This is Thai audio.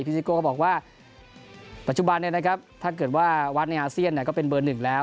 พี่ซิโก้ก็บอกว่าปัจจุบันเนี่ยนะครับถ้าเกิดว่าวัดในอาเซียนเนี่ยก็เป็นเบอร์หนึ่งแล้ว